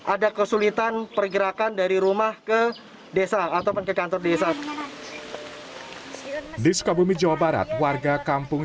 ada kesulitan pergerakan dari rumah ke desa ataupun ke kantor desa di sukabumi jawa barat warga kampung